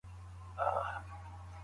سالم ذهن کار نه کموي.